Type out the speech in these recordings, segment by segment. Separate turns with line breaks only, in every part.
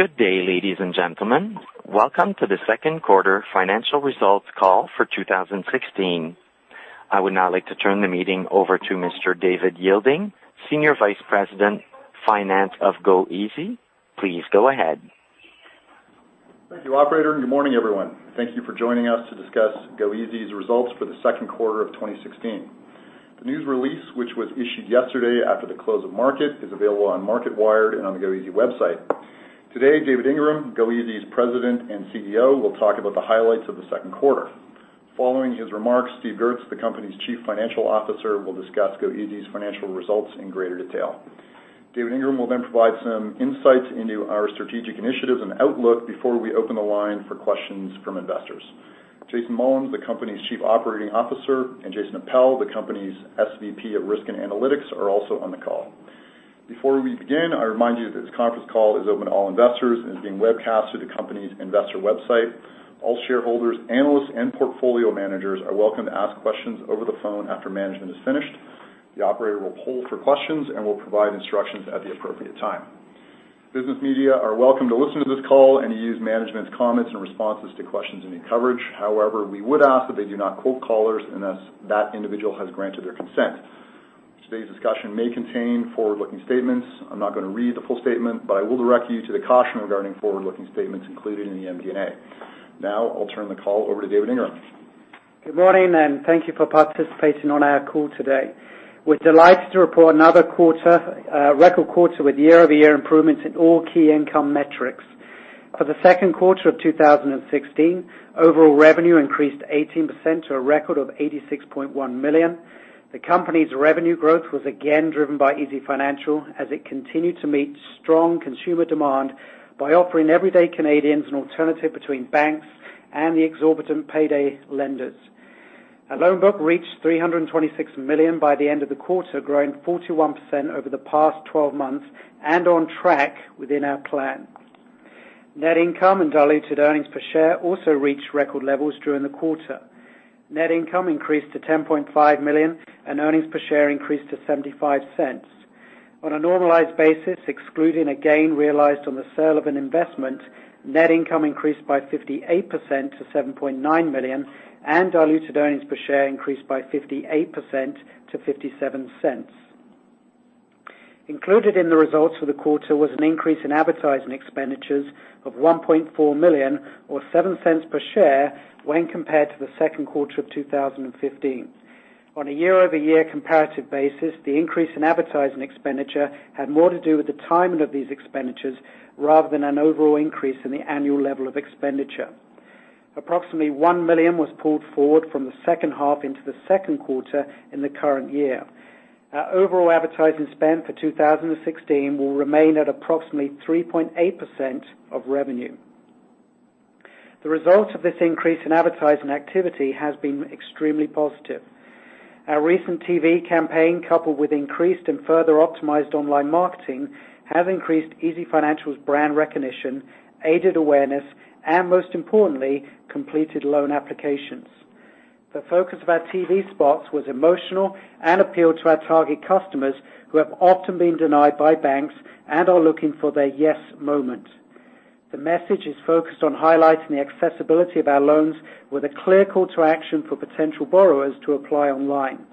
Good day, ladies and gentlemen. Welcome to the second quarter financial results call for 2016. I would now like to turn the meeting over to Mr. David Yeilding, Senior Vice President, Finance of goeasy. Please go ahead.
Thank you, operator, and good morning, everyone. Thank you for joining us to discuss goeasy's results for the second quarter of 2016. The news release, which was issued yesterday after the close of market, is available on Marketwire and on the goeasy website. Today, David Ingram, goeasy's President and CEO, will talk about the highlights of the second quarter. Following his remarks, Steve Goertz, the company's Chief Financial Officer, will discuss goeasy's financial results in greater detail. David Ingram will then provide some insights into our strategic initiatives and outlook before we open the line for questions from investors. Jason Mullins, the company's Chief Operating Officer, and Jason Appel, the company's SVP of Risk and Analytics, are also on the call. Before we begin, I remind you that this conference call is open to all investors and is being webcasted to the company's investor website. All shareholders, analysts, and portfolio managers are welcome to ask questions over the phone after management is finished. The operator will poll for questions and will provide instructions at the appropriate time. Business media are welcome to listen to this call and to use management's comments and responses to questions in your coverage. However, we would ask that they do not quote callers unless that individual has granted their consent. Today's discussion may contain forward-looking statements. I'm not going to read the full statement, but I will direct you to the caution regarding forward-looking statements included in the MD&A. Now, I'll turn the call over to David Ingram.
Good morning, and thank you for participating on our call today. We're delighted to report another record quarter with year-over-year improvements in all key income metrics. For the second quarter of 2016, overall revenue increased 18% to a record of 86.1 million. The company's revenue growth was again driven by easyfinancial, as it continued to meet strong consumer demand by offering everyday Canadians an alternative between banks and the exorbitant payday lenders. Our loan book reached 326 million by the end of the quarter, growing 41% over the past 12 months and on track within our plan. Net income and diluted earnings per share also reached record levels during the quarter. Net income increased to 10.5 million, and earnings per share increased to 0.75. On a normalized basis, excluding a gain realized on the sale of an investment, net income increased by 58% to 7.9 million, and diluted earnings per share increased by 58% to 0.57. Included in the results for the quarter was an increase in advertising expenditures of 1.4 million or 0.07 per share when compared to the second quarter of 2015. On a year-over-year comparative basis, the increase in advertising expenditure had more to do with the timing of these expenditures rather than an overall increase in the annual level of expenditure. Approximately 1 million was pulled forward from the second half into the second quarter in the current year. Our overall advertising spend for 2016 will remain at approximately 3.8% of revenue. The results of this increase in advertising activity has been extremely positive. Our recent TV campaign, coupled with increased and further optimized online marketing, have increased easyfinancial's brand recognition, aided awareness, and most importantly, completed loan applications. The focus of our TV spots was emotional and appealed to our target customers, who have often been denied by banks and are looking for their yes moment. The message is focused on highlighting the accessibility of our loans with a clear call to action for potential borrowers to apply online.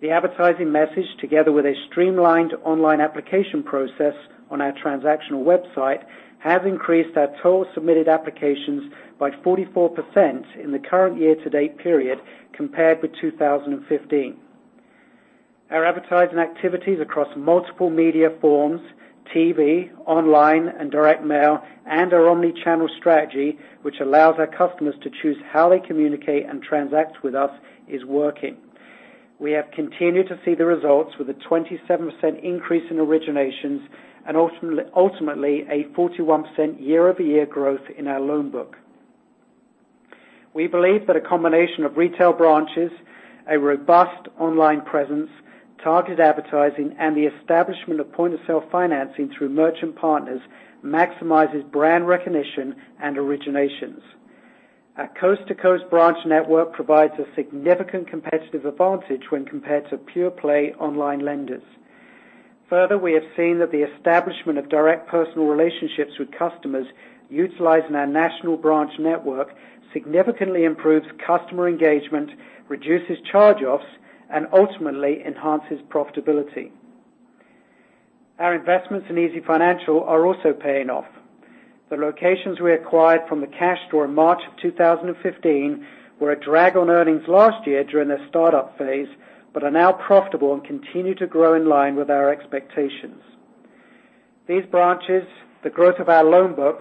The advertising message, together with a streamlined online application process on our transactional website, has increased our total submitted applications by 44% in the current year-to-date period compared with 2015. Our advertising activities across multiple media forms, TV, online, and direct mail, and our omni-channel strategy, which allows our customers to choose how they communicate and transact with us, is working. We have continued to see the results with a 27% increase in originations and ultimately, a 41% year-over-year growth in our loan book. We believe that a combination of retail branches, a robust online presence, targeted advertising, and the establishment of point-of-sale financing through merchant partners maximizes brand recognition and originations. Our coast-to-coast branch network provides a significant competitive advantage when compared to pure-play online lenders. Further, we have seen that the establishment of direct personal relationships with customers utilizing our national branch network significantly improves customer engagement, reduces charge-offs, and ultimately enhances profitability. Our investments in easyfinancial are also paying off. The locations we acquired from The Cash Store in March of 2015 were a drag on earnings last year during their startup phase, but are now profitable and continue to grow in line with our expectations. These branches, the growth of our loan book,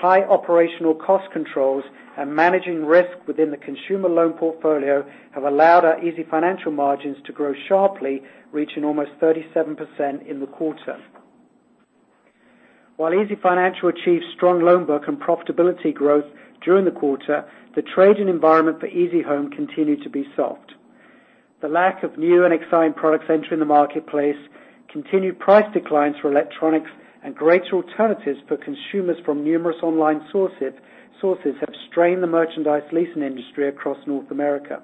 tight operational cost controls, and managing risk within the consumer loan portfolio have allowed our easyfinancial margins to grow sharply, reaching almost 37% in the quarter. While easyfinancial achieved strong loan book and profitability growth during the quarter, the trading environment for easyhome continued to be soft. The lack of new and exciting products entering the marketplace, continued price declines for electronics, and greater alternatives for consumers from numerous online sources have strained the merchandise leasing industry across North America....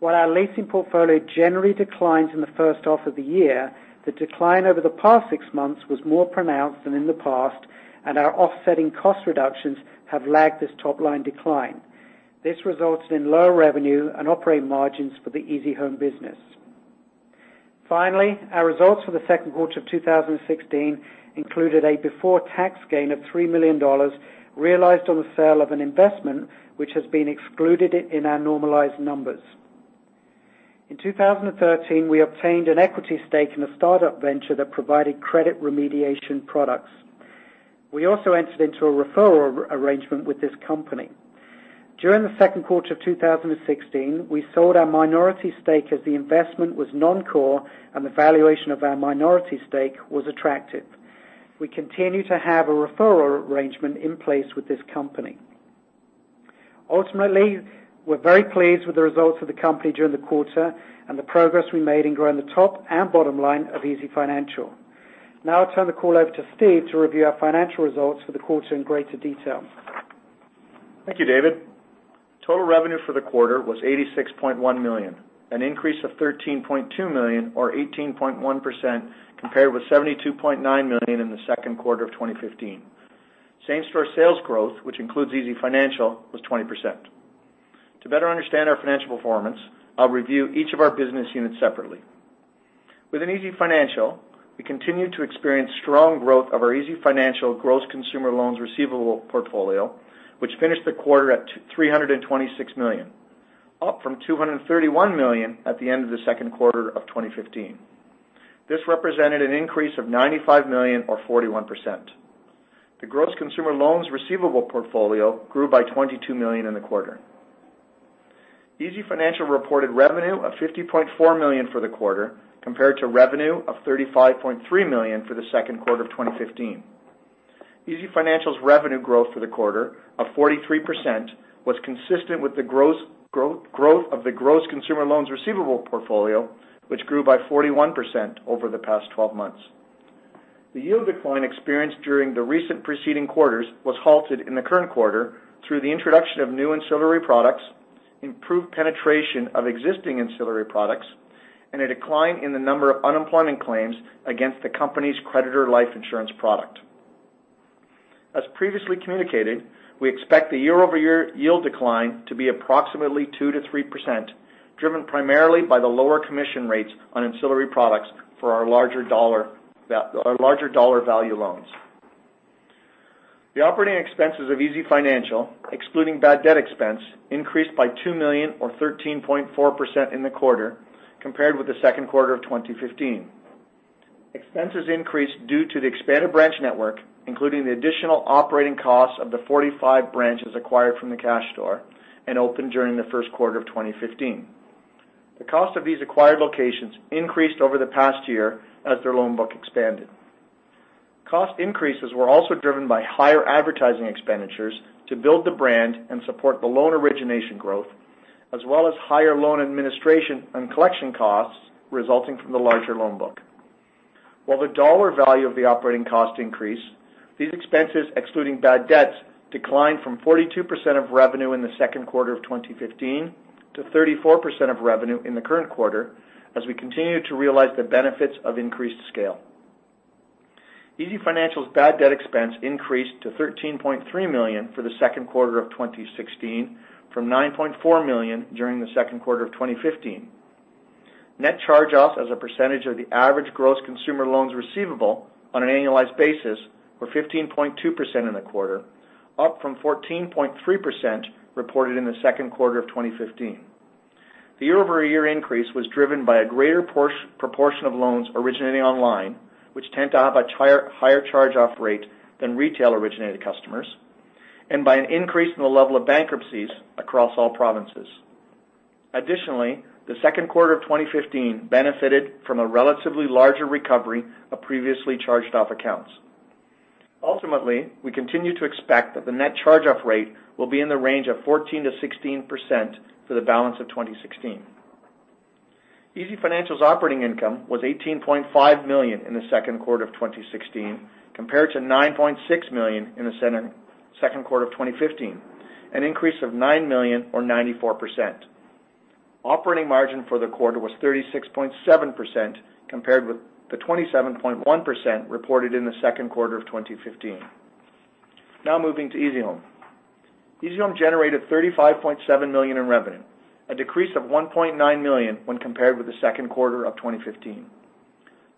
While our leasing portfolio generally declines in the first half of the year, the decline over the past six months was more pronounced than in the past, and our offsetting cost reductions have lagged this top line decline. This resulted in lower revenue and operating margins for the easyhome business. Finally, our results for the second quarter of 2016 included a before-tax gain of 3 million dollars, realized on the sale of an investment, which has been excluded in our normalized numbers. In 2013, we obtained an equity stake in a startup venture that provided credit remediation products. We also entered into a referral arrangement with this company. During the second quarter of 2016, we sold our minority stake as the investment was non-core and the valuation of our minority stake was attractive. We continue to have a referral arrangement in place with this company. Ultimately, we're very pleased with the results of the company during the quarter and the progress we made in growing the top and bottom line of easyfinancial. Now I'll turn the call over to Steve to review our financial results for the quarter in greater detail.
Thank you, David. Total revenue for the quarter was 86.1 million, an increase of 13.2 million or 18.1% compared with 72.9 million in the second quarter of 2015. Same-store sales growth, which includes easyfinancial, was 20%. To better understand our financial performance, I'll review each of our business units separately. Within easyfinancial, we continued to experience strong growth of our easyfinancial gross consumer loans receivable portfolio, which finished the quarter at 326 million, up from 231 million at the end of the second quarter of 2015. This represented an increase of 95 million or 41%. The gross consumer loans receivable portfolio grew by 22 million in the quarter. easyfinancial reported revenue of 50.4 million for the quarter, compared to revenue of 35.3 million for the second quarter of 2015. easyfinancial's revenue growth for the quarter of 43% was consistent with the gross growth of the gross consumer loans receivable portfolio, which grew by 41% over the past 12 months. The yield decline experienced during the recent preceding quarters was halted in the current quarter through the introduction of new ancillary products, improved penetration of existing ancillary products, and a decline in the number of unemployment claims against the company's creditor life insurance product. As previously communicated, we expect the year-over-year yield decline to be approximately 2%-3%, driven primarily by the lower commission rates on ancillary products for our larger dollar value loans. The operating expenses of easyfinancial, excluding bad debt expense, increased by 2 million or 13.4% in the quarter compared with the second quarter of 2015. Expenses increased due to the expanded branch network, including the additional operating costs of the 45 branches acquired from The Cash Store and opened during the first quarter of 2015. The cost of these acquired locations increased over the past year as their loan book expanded. Cost increases were also driven by higher advertising expenditures to build the brand and support the loan origination growth, as well as higher loan administration and collection costs resulting from the larger loan book. While the dollar value of the operating costs increased, these expenses, excluding bad debts, declined from 42% of revenue in the second quarter of 2015 to 34% of revenue in the current quarter, as we continue to realize the benefits of increased scale. easyfinancial's bad debt expense increased to 13.3 million for the second quarter of 2016, from 9.4 million during the second quarter of 2015. Net charge-offs as a percentage of the average gross consumer loans receivable on an annualized basis were 15.2% in the quarter, up from 14.3% reported in the second quarter of 2015. The year-over-year increase was driven by a greater proportion of loans originating online, which tend to have a higher charge-off rate than retail-originated customers, and by an increase in the level of bankruptcies across all provinces. Additionally, the second quarter of 2015 benefited from a relatively larger recovery of previously charged-off accounts. Ultimately, we continue to expect that the net charge-off rate will be in the range of 14%-16% for the balance of 2016. easyfinancial's operating income was 18.5 million in the second quarter of 2016, compared to 9.6 million in the second quarter of 2015, an increase of 9 million or 94%. Operating margin for the quarter was 36.7%, compared with the 27.1% reported in the second quarter of 2015. Now moving to easyhome. easyhome generated $35.7 million in revenue, a decrease of 1.9 million when compared with the second quarter of 2015.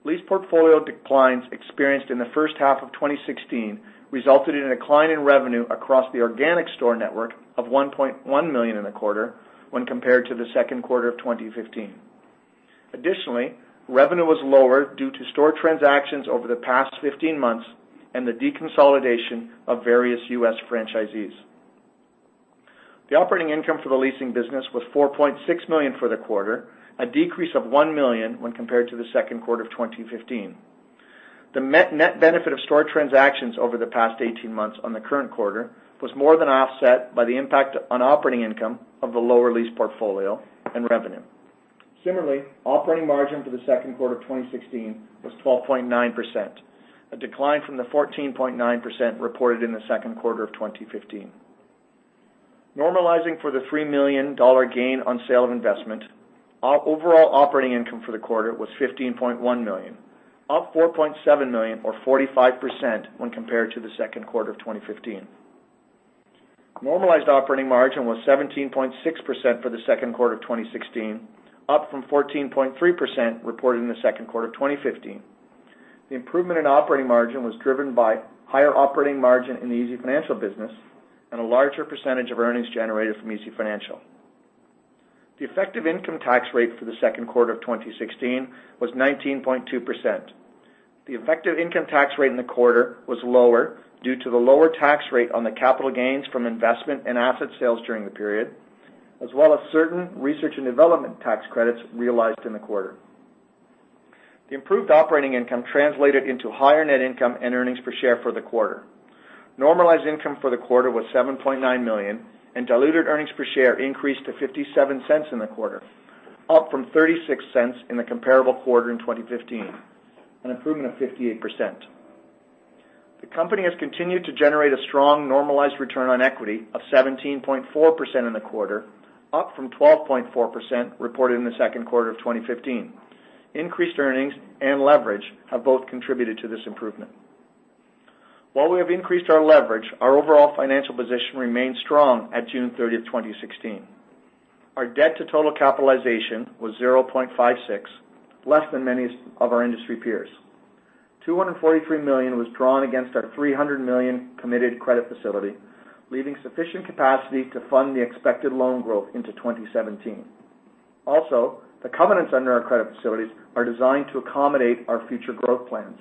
Lease portfolio declines experienced in the first half of 2016 resulted in a decline in revenue across the organic store network of 1.1 million in the quarter when compared to the second quarter of 2015. Additionally, revenue was lower due to store transactions over the past 15 months and the deconsolidation of various U.S. franchisees. The operating income for the leasing business was 4.6 million for the quarter, a decrease of 1 million when compared to the second quarter of 2015. The net-net benefit of store transactions over the past 18 months on the current quarter was more than offset by the impact on operating income of the lower lease portfolio and revenue... Similarly, operating margin for the second quarter of 2016 was 12.9%, a decline from the 14.9% reported in the second quarter of 2015. Normalizing for the 3 million dollar gain on sale of investment, our overall operating income for the quarter was 15.1 million, up 4.7 million or 45% when compared to the second quarter of 2015. Normalized operating margin was 17.6% for the second quarter of 2016, up from 14.3% reported in the second quarter of 2015. The improvement in operating margin was driven by higher operating margin in the easyfinancial business and a larger percentage of earnings generated from easyfinancial. The effective income tax rate for the second quarter of 2016 was 19.2%. The effective income tax rate in the quarter was lower due to the lower tax rate on the capital gains from investment and asset sales during the period, as well as certain research and development tax credits realized in the quarter. The improved operating income translated into higher net income and earnings per share for the quarter. Normalized income for the quarter was 7.9 million, and diluted earnings per share increased to 0.57 in the quarter, up from 0.36 in the comparable quarter in 2015, an improvement of 58%. The company has continued to generate a strong normalized return on equity of 17.4% in the quarter, up from 12.4% reported in the second quarter of 2015. Increased earnings and leverage have both contributed to this improvement. While we have increased our leverage, our overall financial position remains strong at June 30th, 2016. Our debt to total capitalization was 0.56, less than many of our industry peers. 243 million was drawn against our 300 million committed credit facility, leaving sufficient capacity to fund the expected loan growth into 2017. Also, the covenants under our credit facilities are designed to accommodate our future growth plans.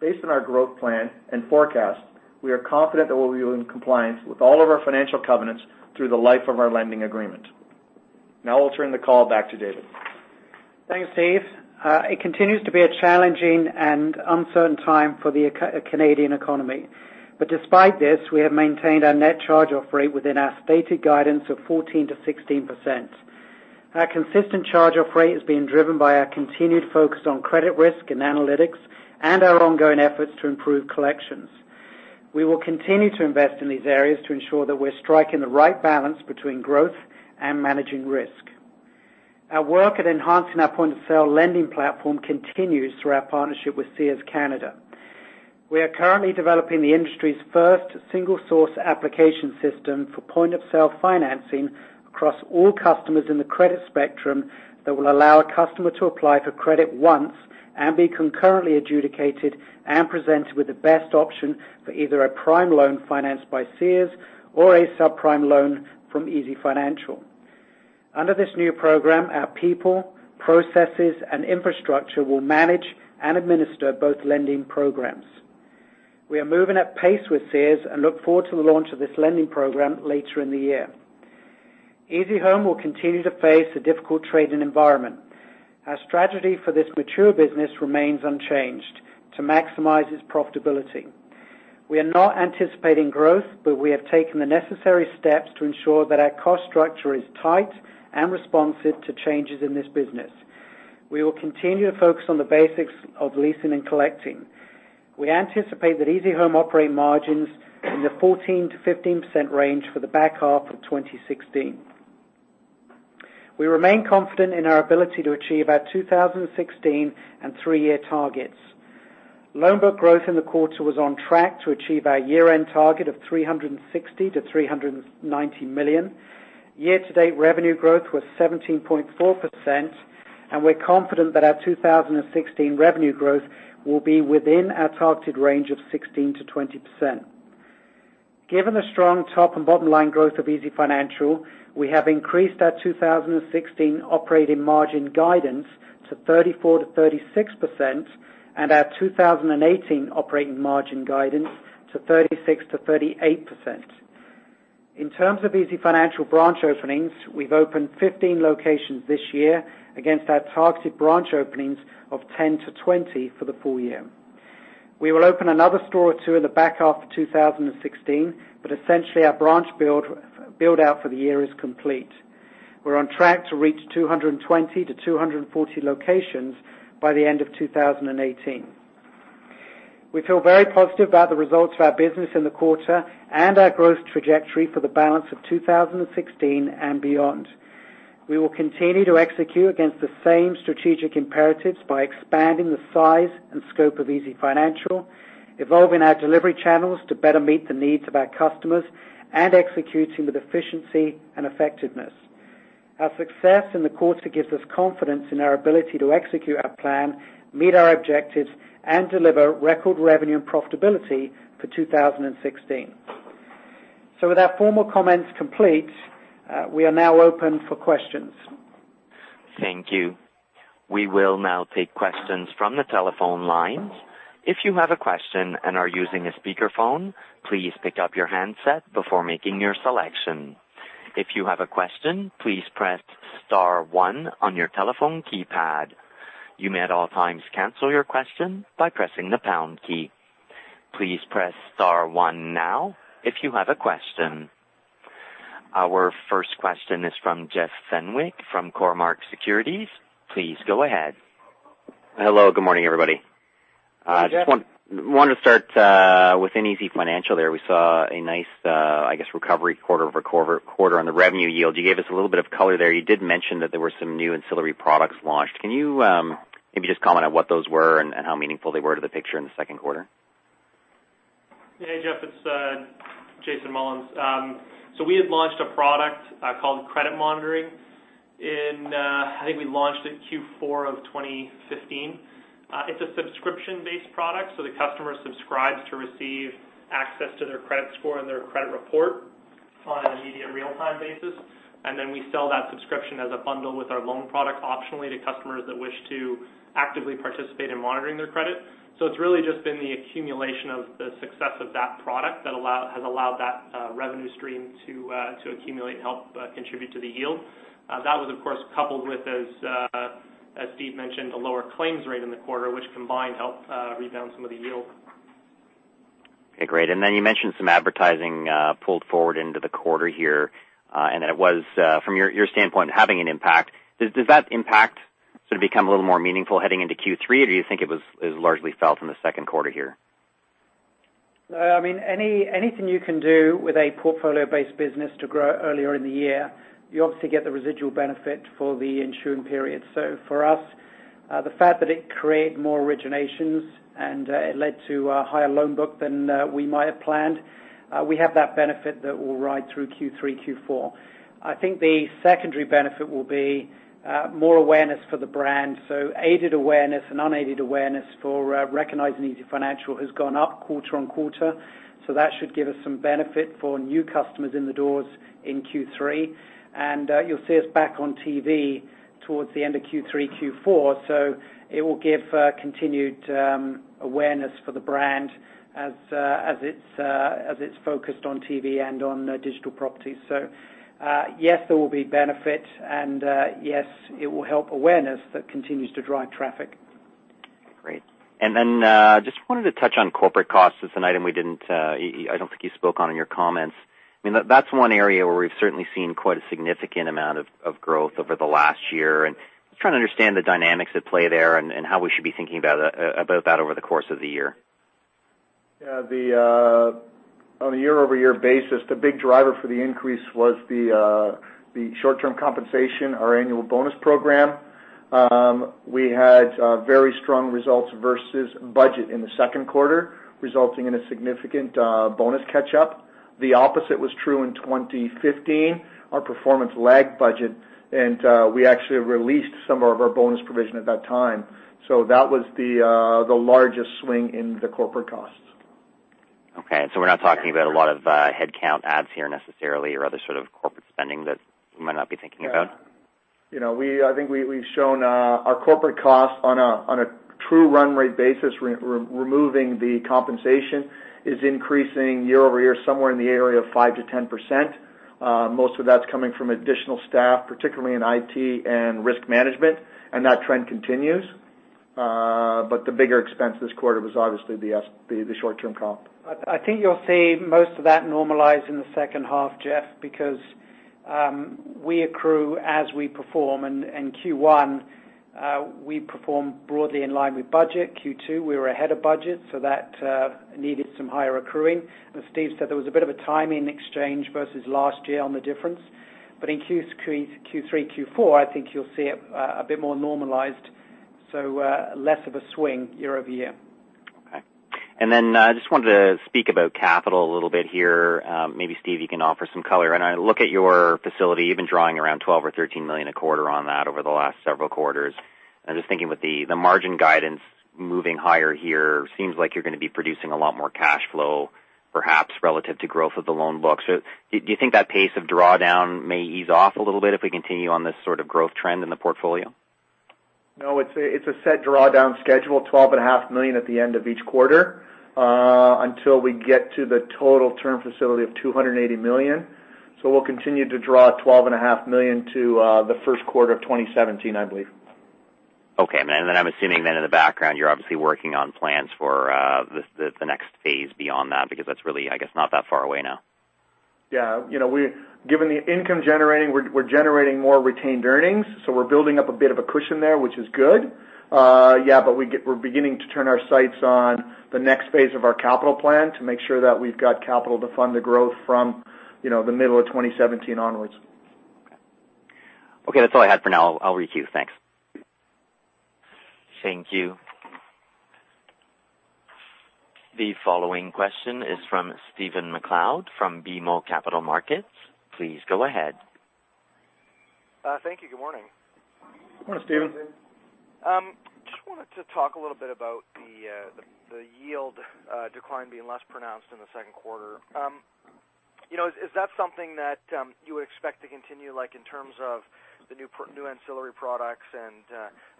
Based on our growth plan and forecast, we are confident that we will be in compliance with all of our financial covenants through the life of our lending agreement. Now I'll turn the call back to David.
Thanks, Steve. It continues to be a challenging and uncertain time for the Canadian economy. But despite this, we have maintained our net charge-off rate within our stated guidance of 14%-16%. Our consistent charge-off rate is being driven by our continued focus on credit risk and analytics and our ongoing efforts to improve collections. We will continue to invest in these areas to ensure that we're striking the right balance between growth and managing risk. Our work at enhancing our point-of-sale lending platform continues through our partnership with Sears Canada. We are currently developing the industry's first single source application system for point-of-sale financing across all customers in the credit spectrum that will allow a customer to apply for credit once and be concurrently adjudicated and presented with the best option for either a prime loan financed by Sears or a subprime loan from easyfinancial. Under this new program, our people, processes, and infrastructure will manage and administer both lending programs. We are moving at pace with Sears and look forward to the launch of this lending program later in the year. easyhome will continue to face a difficult trading environment. Our strategy for this mature business remains unchanged: to maximize its profitability. We are not anticipating growth, but we have taken the necessary steps to ensure that our cost structure is tight and responsive to changes in this business. We will continue to focus on the basics of leasing and collecting. We anticipate that easyhome operating margins in the 14%-15% range for the back half of 2016. We remain confident in our ability to achieve our 2016 and three-year targets. Loan book growth in the quarter was on track to achieve our year-end target of 360 million-390 million. Year-to-date revenue growth was 17.4%, and we're confident that our 2016 revenue growth will be within our targeted range of 16%-20%. Given the strong top and bottom line growth of easyfinancial, we have increased our 2016 operating margin guidance to 34%-36% and our 2018 operating margin guidance to 36%-38%. In terms of easyfinancial branch openings, we've opened 15 locations this year against our targeted branch openings of 10-20 for the full year. We will open another store or two in the back half of 2016, but essentially, our branch build out for the year is complete. We're on track to reach 220 to 240 locations by the end of 2018. We feel very positive about the results of our business in the quarter and our growth trajectory for the balance of 2016 and beyond. We will continue to execute against the same strategic imperatives by expanding the size and scope of easyfinancial, evolving our delivery channels to better meet the needs of our customers, and executing with efficiency and effectiveness. Our success in the quarter gives us confidence in our ability to execute our plan, meet our objectives, and deliver record revenue and profitability for 2016. So with our formal comments complete, we are now open for questions.
Thank you. We will now take questions from the telephone lines. If you have a question and are using a speakerphone, please pick up your handset before making your selection. If you have a question, please press star one on your telephone keypad. You may, at all times, cancel your question by pressing the pound key. Please press star one now, if you have a question. Our first question is from Jeff Fenwick from Cormark Securities. Please go ahead.
Hello, good morning, everybody.
Hi, Jeff.
Just wanted to start with easyfinancial there. We saw a nice, I guess, recovery quarter over quarter on the revenue yield. You gave us a little bit of color there. You did mention that there were some new ancillary products launched. Can you maybe just comment on what those were and how meaningful they were to the picture in the second quarter?
Hey, Jeff, it's Jason Mullins. So we had launched a product called Credit Monitoring in, I think we launched in Q4 of 2015. It's a subscription-based product, so the customer subscribes to receive access to their credit score and their credit report on an immediate real-time basis. And then we sell that subscription as a bundle with our loan product, optionally to customers that wish to actively participate in monitoring their credit. So it's really just been the accumulation of the success of that product that has allowed that revenue stream to accumulate and help contribute to the yield. That was, of course, coupled with, as Steve mentioned, a lower claims rate in the quarter, which combined, helped rebound some of the yield.
Okay, great. And then you mentioned some advertising pulled forward into the quarter here, and that it was, from your standpoint, having an impact. Does that impact sort of become a little more meaningful heading into Q3, or do you think it is largely felt in the second quarter here?
I mean, anything you can do with a portfolio-based business to grow earlier in the year, you obviously get the residual benefit for the ensuing period. So for us, the fact that it created more originations and it led to a higher loan book than we might have planned, we have that benefit that will ride through Q3, Q4. I think the secondary benefit will be more awareness for the brand. So aided awareness and unaided awareness for recognizing easyfinancial has gone up quarter on quarter. So that should give us some benefit for new customers in the doors in Q3. And you'll see us back on TV towards the end of Q3, Q4, so it will give continued awareness for the brand as it's focused on TV and on digital properties. Yes, there will be benefit, and yes, it will help awareness that continues to drive traffic.
Great. And then, just wanted to touch on corporate costs. It's an item we didn't, I don't think you spoke on in your comments. I mean, that's one area where we've certainly seen quite a significant amount of growth over the last year, and just trying to understand the dynamics at play there and how we should be thinking about that over the course of the year.
Yeah, on a year-over-year basis, the big driver for the increase was the short-term compensation, our annual bonus program. We had very strong results versus budget in the second quarter, resulting in a significant bonus catch-up. The opposite was true in 2015. Our performance lagged budget, and we actually released some of our bonus provision at that time. So that was the largest swing in the corporate costs.
Okay, so we're not talking about a lot of headcount adds here necessarily, or other sort of corporate spending that we might not be thinking about?
You know, I think we, we've shown our corporate costs on a true run rate basis, removing the compensation, is increasing year over year, somewhere in the area of 5% to 10%. Most of that's coming from additional staff, particularly in IT and risk management, and that trend continues. But the bigger expense this quarter was obviously the short-term comp.
I think you'll see most of that normalize in the second half, Jeff, because we accrue as we perform. And Q1, we perform broadly in line with budget. Q2, we were ahead of budget, so that needed some higher accruing. As Steve said, there was a bit of a timing exchange versus last year on the difference. But in Q3, Q4, I think you'll see it a bit more normalized, so less of a swing year over year.
Okay. And then I just wanted to speak about capital a little bit here. Maybe, Steve, you can offer some color. And I look at your facility, you've been drawing around 12 million-13 million a quarter on that over the last several quarters. I'm just thinking with the margin guidance moving higher here, seems like you're gonna be producing a lot more cash flow, perhaps, relative to growth of the loan book. So do you think that pace of drawdown may ease off a little bit if we continue on this sort of growth trend in the portfolio?
No, it's a, it's a set drawdown schedule, 12.5 million at the end of each quarter, until we get to the total term facility of 280 million. So we'll continue to draw 12.5 million to, the first quarter of 2017, I believe.
Okay. And then I'm assuming then in the background, you're obviously working on plans for the next phase beyond that, because that's really, I guess, not that far away now.
Yeah. You know, given the income generating, we're generating more retained earnings, so we're building up a bit of a cushion there, which is good. Yeah, but we're beginning to turn our sights on the next phase of our capital plan to make sure that we've got capital to fund the growth from, you know, the middle of 2017 onwards.
Okay. Okay, that's all I had for now. I'll requeue. Thanks.
Thank you. The following question is from Stephen MacLeod, from BMO Capital Markets. Please go ahead.
Thank you. Good morning.
Good morning, Steven.
Just wanted to talk a little bit about the yield decline being less pronounced in the second quarter. You know, is that something that you would expect to continue, like, in terms of the new ancillary products and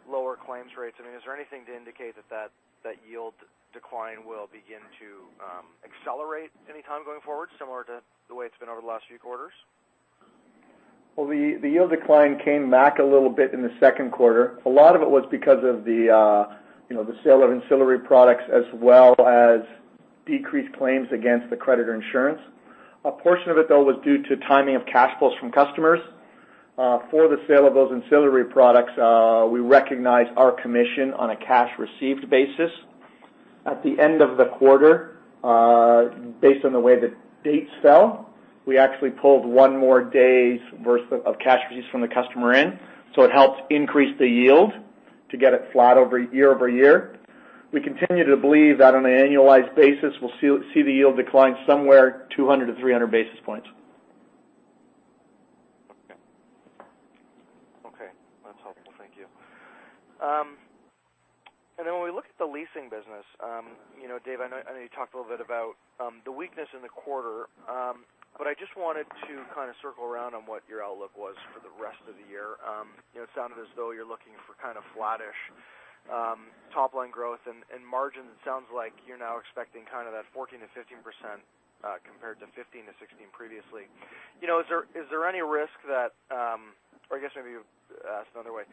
lower claims rates? I mean, is there anything to indicate that yield decline will begin to accelerate anytime going forward, similar to the way it's been over the last few quarters?
The yield decline came back a little bit in the second quarter. A lot of it was because of the, you know, the sale of ancillary products, as well as decreased claims against the creditor insurance. A portion of it, though, was due to timing of cash flows from customers. For the sale of those ancillary products, we recognize our commission on a cash received basis. At the end of the quarter, based on the way the dates fell, we actually pulled one more day's worth of cash received from the customer in, so it helped increase the yield to get it flat over year-over-year. We continue to believe that on an annualized basis, we'll see the yield decline somewhere 200-300 basis points.
Okay. Okay, that's helpful. Thank you, and then when we look at the leasing business, you know, Dave, I know, I know you talked a little bit about the weakness in the quarter, but I just wanted to kind of circle around on what your outlook was for the rest of the year. You know, it sounded as though you're looking for kind of flattish top line growth and, and margin. It sounds like you're now expecting kind of that 14%-15%, compared to 15%-16% previously. You know, is there, is there any risk that... Or I guess maybe ask another way,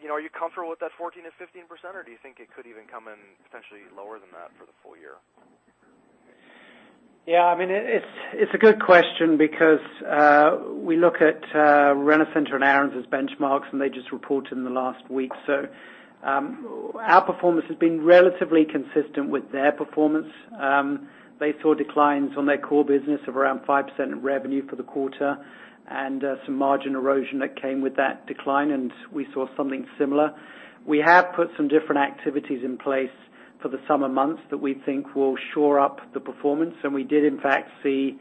you know, are you comfortable with that 14%-15%, or do you think it could even come in potentially lower than that for the full year?
Yeah, I mean, it's a good question because we look at Rent-A-Center and Aaron's as benchmarks, and they just reported in the last week. Our performance has been relatively consistent with their performance. They saw declines on their core business of around 5% in revenue for the quarter and some margin erosion that came with that decline, and we saw something similar. We have put some different activities in place for the summer months that we think will shore up the performance, and we did in fact see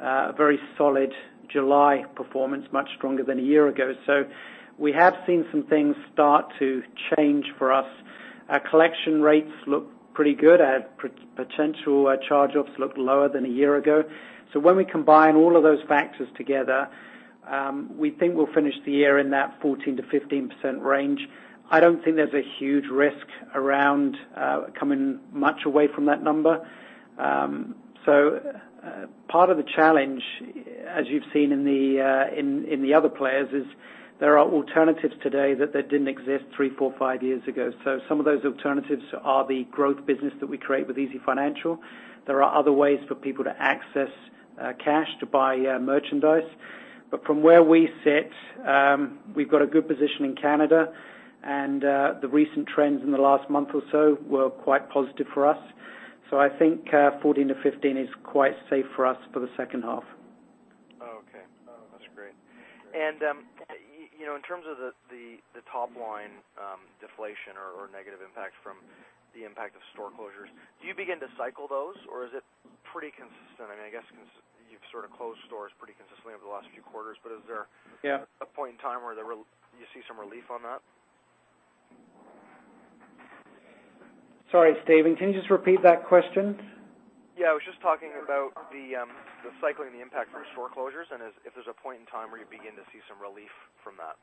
a very solid July performance, much stronger than a year ago. We have seen some things start to change for us. Our collection rates look pretty good. Our potential charge-offs look lower than a year ago. So when we combine all of those factors together, we think we'll finish the year in that 14%-15% range. I don't think there's a huge risk around coming much away from that number. So part of the challenge, as you've seen in the other players, is there are alternatives today that didn't exist three, four, five years ago. So some of those alternatives are the growth business that we create with easyfinancial. There are other ways for people to access cash to buy merchandise. But from where we sit, we've got a good position in Canada, and the recent trends in the last month or so were quite positive for us. So I think 14%-15% is quite safe for us for the second half.
Oh, okay. Oh, that's great. And, you know, in terms of the top line, deflation or negative impact from the impact of store closures, do you begin to cycle those, or is it pretty consistent? I mean, I guess you've sort of closed stores pretty consistently over the last few quarters, but is there a point in time where there you see some relief on that?
Sorry, Steven, can you just repeat that question?
Yeah, I was just talking about the cycling, the impact from store closures, and if there's a point in time where you begin to see some relief from that.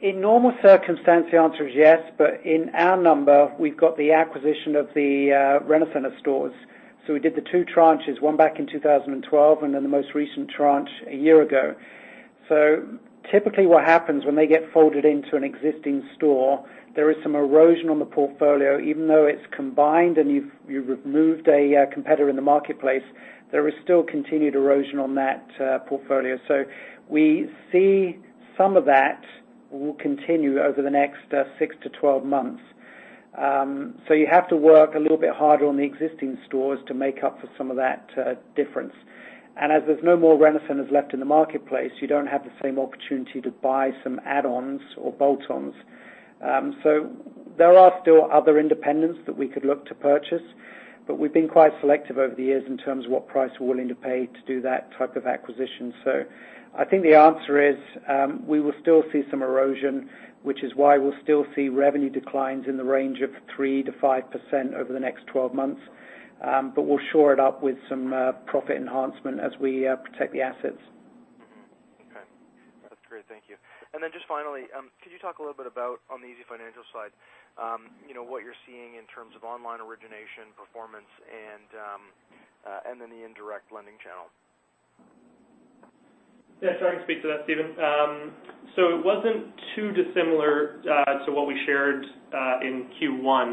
In normal circumstance, the answer is yes, but in our number, we've got the acquisition of the Rent-A-Center stores. So we did the two tranches, one back in 2012, and then the most recent tranche a year ago. So typically, what happens when they get folded into an existing store, there is some erosion on the portfolio. Even though it's combined and you've removed a competitor in the marketplace, there is still continued erosion on that portfolio. So we see some of that will continue over the next six to 12 months. So you have to work a little bit harder on the existing stores to make up for some of that difference. As there's no more Rent-A-Centers left in the marketplace, you don't have the same opportunity to buy some add-ons or bolt-ons. So there are still other independents that we could look to purchase, but we've been quite selective over the years in terms of what price we're willing to pay to do that type of acquisition. So I think the answer is, we will still see some erosion, which is why we'll still see revenue declines in the range of 3%-5% over the next twelve months. But we'll shore it up with some profit enhancement as we protect the assets.
Mm-hmm. Okay. That's great. Thank you. And then just finally, could you talk a little bit about, on the easyfinancial side, you know, what you're seeing in terms of online origination, performance, and, and then the indirect lending channel?
Yeah, sorry, I can speak to that, Steven, so it wasn't too dissimilar to what we shared in Q1.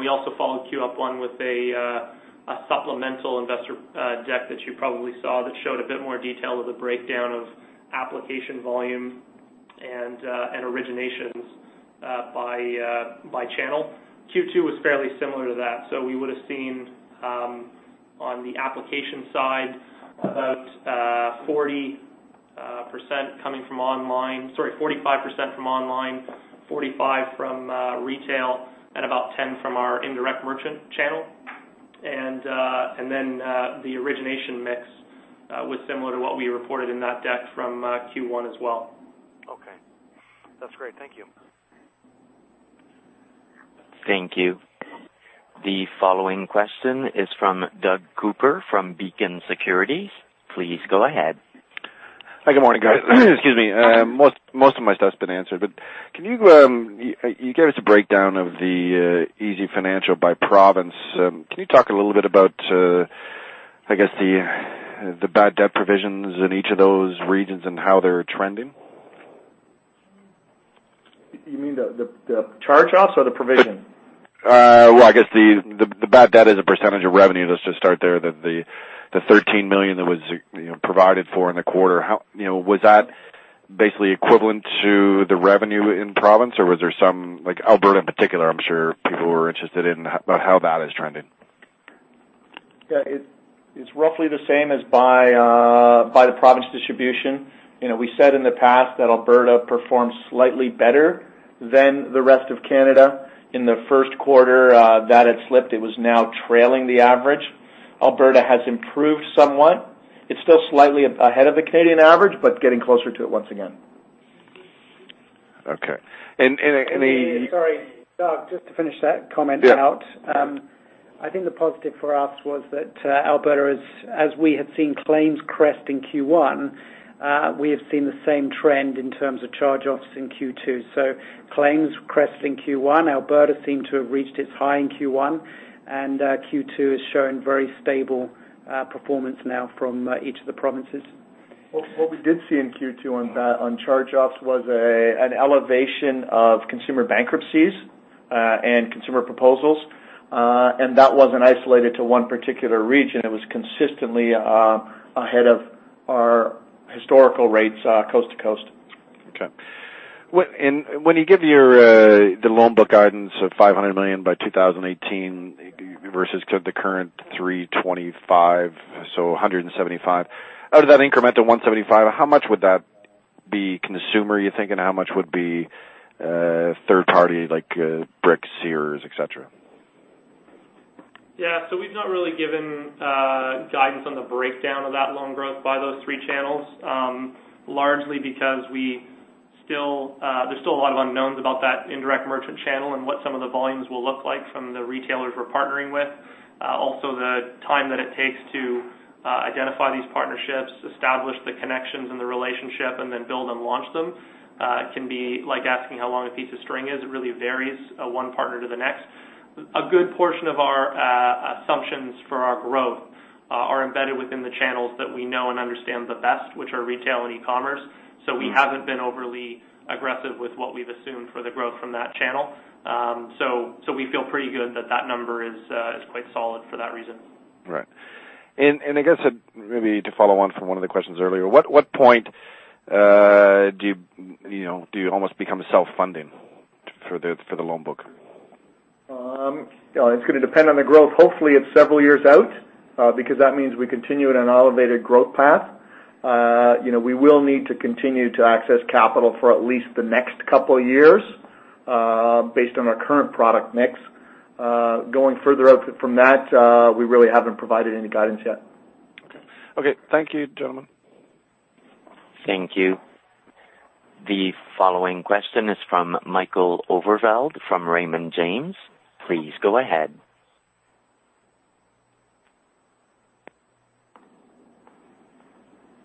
We also followed Q1 up with a supplemental investor deck that you probably saw, that showed a bit more detail of the breakdown of application volume and originations by channel. Q2 was fairly similar to that, so we would've seen, on the application side, about 40% coming from online, sorry, 45% from online, 45% from retail, and about 10% from our indirect merchant channel. And then the origination mix was similar to what we reported in that deck from Q1 as well.
Okay. That's great. Thank you.
Thank you. The following question is from Doug Cooper from Beacon Securities. Please go ahead.
Hi, good morning, guys. Excuse me. Most of my stuff's been answered, but you gave us a breakdown of the easyfinancial by province. Can you talk a little bit about, I guess, the bad debt provisions in each of those regions and how they're trending?
You mean the charge-offs or the provision?
I guess the bad debt as a percentage of revenue, let's just start there. That 13 million that was, you know, provided for in the quarter, how, you know, was that basically equivalent to the revenue in province, or was there some, like Alberta, in particular, I'm sure people were interested in about how that is trending.
Yeah, it's roughly the same as by the province distribution. You know, we said in the past that Alberta performed slightly better than the rest of Canada. In the first quarter, that had slipped. It was now trailing the average. Alberta has improved somewhat. It's still slightly ahead of the Canadian average, but getting closer to it once again.
Okay. And the-
Sorry, Doug, just to finish that comment out.
Yeah.
I think the positive for us was that, Alberta, as we had seen claims crest in Q1, we have seen the same trend in terms of charge-offs in Q2, so claims crest in Q1, Alberta seemed to have reached its high in Q1, and Q2 is showing very stable performance now from each of the provinces.
What we did see in Q2 on charge-offs was an elevation of consumer bankruptcies and consumer proposals, and that wasn't isolated to one particular region. It was consistently ahead of our historical rates coast to coast.
Okay. When you give your the loan book guidance of 500 million by 2018, versus the current 325, so 175. Out of that incremental 175, how much would that be consumer, you think, and how much would be third party, like Brick, Sears, et cetera?
Yeah, so we've not really given guidance on the breakdown of that loan growth by those three channels, largely because we still, there's still a lot of unknowns about that indirect merchant channel and what some of the volumes will look like from the retailers we're partnering with. Also, the time that it takes to identify these partnerships, establish the connections and the relationship, and then build and launch them can be like asking how long a piece of string is. It really varies, one partner to the next. A good portion of our assumptions for our growth are embedded within the channels that we know and understand the best, which are retail and e-commerce, so we haven't been overly aggressive with what we've assumed for the growth from that channel. So, we feel pretty good that the number is quite solid for that reason.
Right. And I guess, maybe to follow on from one of the questions earlier, what point do you, you know, do you almost become self-funding for the, for the loan book?
You know, it's gonna depend on the growth. Hopefully, it's several years out, because that means we continue at an elevated growth path. You know, we will need to continue to access capital for at least the next couple of years, based on our current product mix. Going further out from that, we really haven't provided any guidance yet.
Okay. Okay, thank you, gentlemen.
Thank you. The following question is from Michael Overvelde from Raymond James. Please go ahead.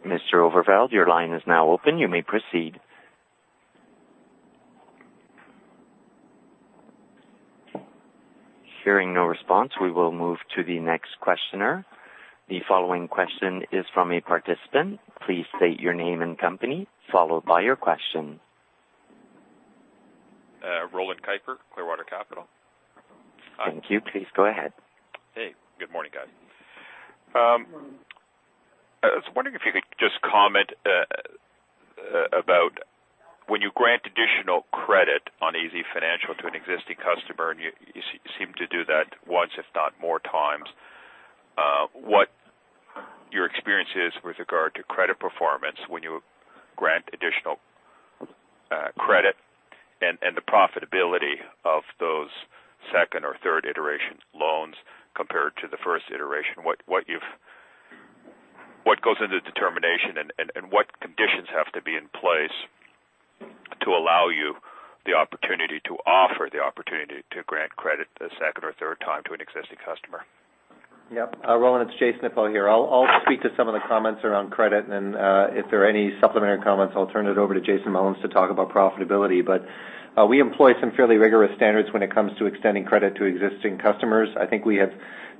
Mr. Overvelde, your line is now open. You may proceed. Hearing no response, we will move to the next questioner. The following question is from a participant. Please state your name and company, followed by your question.
Roland Keiper, Clearwater Capital.
Thank you. Please go ahead.
Hey, good morning, guys. I was wondering if you could just comment about when you grant additional credit on easyfinancial to an existing customer, and you seem to do that once, if not more times, what your experience is with regard to credit performance when you grant additional credit and the profitability of those second or third iterations loans compared to the first iteration. What goes into the determination and what conditions have to be in place to allow you the opportunity to offer the opportunity to grant credit a second or third time to an existing customer?
Yep. Roland, it's Jason Appel here. I'll speak to some of the comments around credit, and if there are any supplementary comments, I'll turn it over to Jason Mullins to talk about profitability. But we employ some fairly rigorous standards when it comes to extending credit to existing customers. I think we have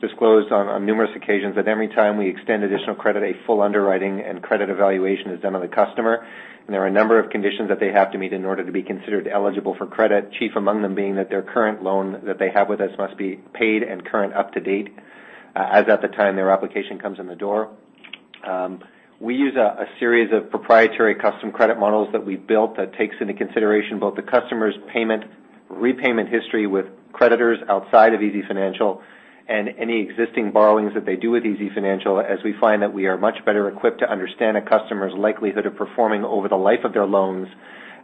disclosed on numerous occasions that every time we extend additional credit, a full underwriting and credit evaluation is done on the customer. And there are a number of conditions that they have to meet in order to be considered eligible for credit. Chief among them being that their current loan that they have with us must be paid and current up to date, as at the time their application comes in the door. We use a series of proprietary custom credit models that we built that takes into consideration both the customer's payment, repayment history with creditors outside of easyfinancial and any existing borrowings that they do with easyfinancial, as we find that we are much better equipped to understand a customer's likelihood of performing over the life of their loans,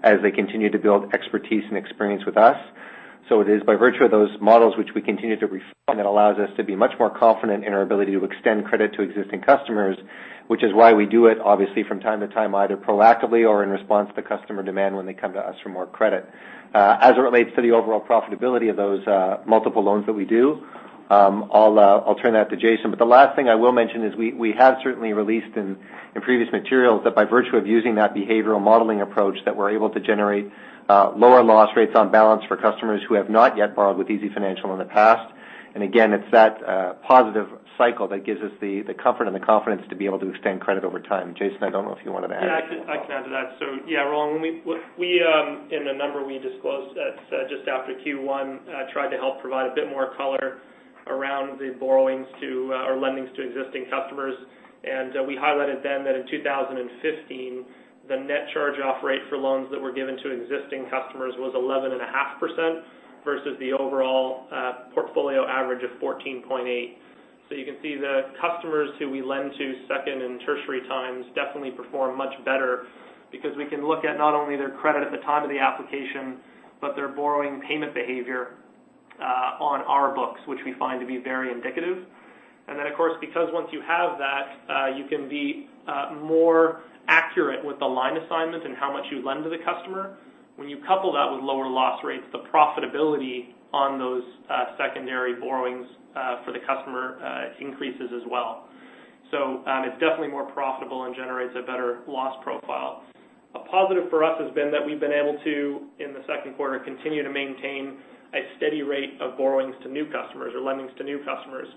as they continue to build expertise and experience with us. So it is by virtue of those models, which we continue to refine, that allows us to be much more confident in our ability to extend credit to existing customers, which is why we do it, obviously, from time to time, either proactively or in response to customer demand when they come to us for more credit. As it relates to the overall profitability of those multiple loans that we do, I'll turn that to Jason. But the last thing I will mention is we have certainly released in previous materials that by virtue of using that behavioral modeling approach, that we're able to generate lower loss rates on balance for customers who have not yet borrowed with easyfinancial in the past. And again, it's that positive cycle that gives us the comfort and the confidence to be able to extend credit over time. Jason, I don't know if you want to add anything.
Yeah, I can add to that. So yeah, Roland, when we in the number we disclosed at just after Q1 tried to help provide a bit more color around the borrowings to or lendings to existing customers. And we highlighted then that in 2015, the net charge-off rate for loans that were given to existing customers was 11.5%, versus the overall portfolio average of 14.8%. So you can see the customers who we lend to second and tertiary times definitely perform much better, because we can look at not only their credit at the time of the application, but their borrowing payment behavior on our books, which we find to be very indicative. And then, of course, because once you have that, you can be more accurate with the line assignments and how much you lend to the customer. When you couple that with lower loss rates, the profitability on those secondary borrowings for the customer increases as well. So, it's definitely more profitable and generates a better loss profile. A positive for us has been that we've been able to, in the second quarter, continue to maintain a steady rate of borrowings to new customers or lendings to new customers,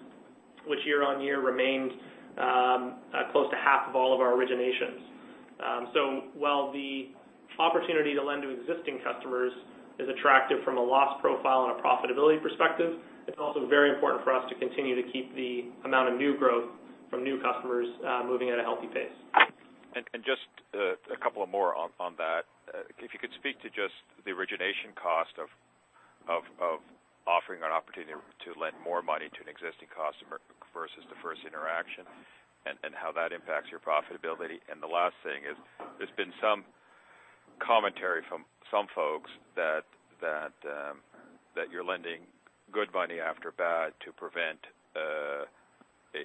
which year on year remains close to half of all of our originations. So while the opportunity to lend to existing customers is attractive from a loss profile and a profitability perspective, it's also very important for us to continue to keep the amount of new growth from new customers, moving at a healthy pace.
Just a couple more on that. If you could speak to just the origination cost of offering an opportunity to lend more money to an existing customer versus the first interaction, and how that impacts your profitability. The last thing is, there's been some commentary from some folks that you're lending good money after bad to prevent, to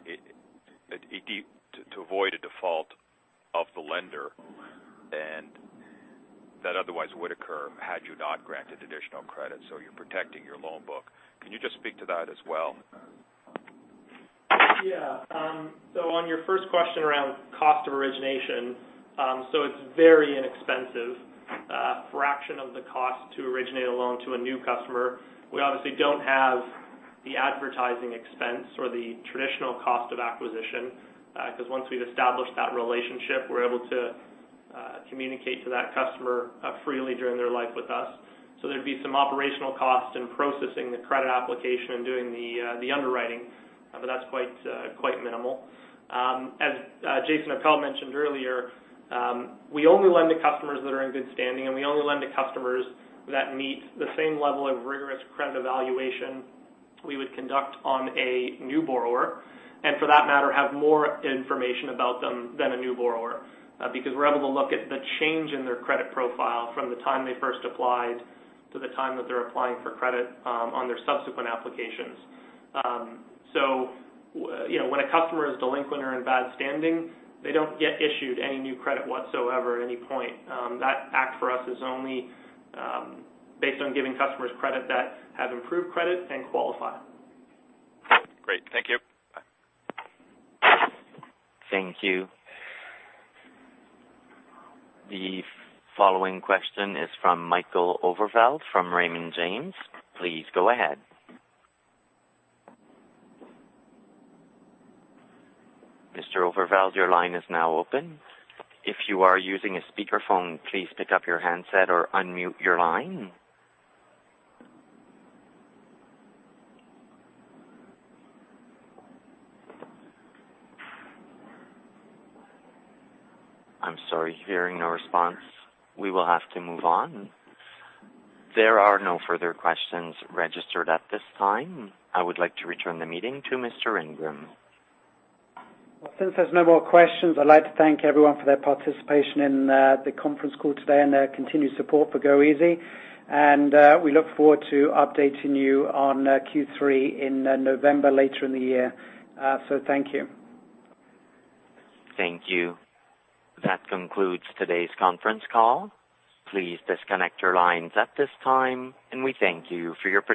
avoid a default of the lender, and that otherwise would occur had you not granted additional credit, so you're protecting your loan book. Can you just speak to that as well?
Yeah. So on your first question around cost of origination, so it's very inexpensive, fraction of the cost to originate a loan to a new customer. We obviously don't have the advertising expense or the traditional cost of acquisition, because once we've established that relationship, we're able to communicate to that customer freely during their life with us. So there'd be some operational costs in processing the credit application and doing the underwriting, but that's quite minimal. As Jason Appel mentioned earlier, we only lend to customers that are in good standing, and we only lend to customers that meet the same level of rigorous credit evaluation we would conduct on a new borrower. And for that matter, have more information about them than a new borrower, because we're able to look at the change in their credit profile from the time they first applied to the time that they're applying for credit, on their subsequent applications. So, you know, when a customer is delinquent or in bad standing, they don't get issued any new credit whatsoever at any point. That act for us is only, based on giving customers credit that have improved credit and qualify.
Great. Thank you. Bye.
Thank you. The following question is from Michael Overvelde from Raymond James. Please go ahead. Mr. Overvelde, your line is now open. If you are using a speakerphone, please pick up your handset or unmute your line. I'm sorry. Hearing no response, we will have to move on. There are no further questions registered at this time. I would like to return the meeting to Mr. Ingram.
Since there's no more questions, I'd like to thank everyone for their participation in the conference call today and their continued support for goeasy, and we look forward to updating you on Q3 in November, later in the year. So thank you.
Thank you. That concludes today's conference call. Please disconnect your lines at this time, and we thank you for your participation.